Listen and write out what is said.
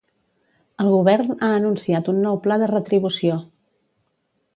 El govern ha anunciat un nou pla de retribució.